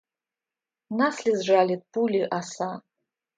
Нас ли сжалит пули оса?